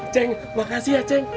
ceng makasih ya ceng